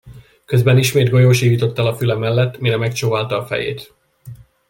Közben ismét golyó sivított el a füle mellett, mire megcsóválta a fejét.